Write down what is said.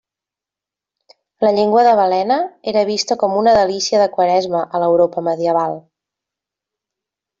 La llengua de balena era vista com una delícia de Quaresma a l'Europa medieval.